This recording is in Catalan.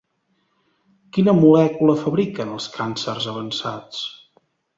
Quina molècula fabriquen els càncers avançats?